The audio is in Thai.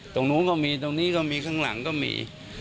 ตรงนู้นก็มีตรงนี้ก็มีข้างหลังก็มี